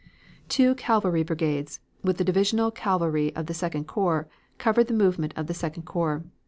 "Two cavalry brigades, with the divisional cavalry of the Second Corps, covered the movement of the Second Corps.